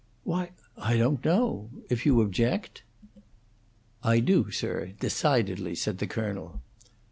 "Why, I don't know If you object ? "I do, sir decidedly," said the Colonel.